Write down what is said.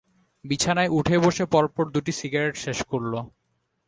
বিছানায় উঠে বসে পরপর দুটি সিগারেট শেষ করল।